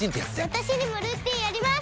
私にもルーティンあります！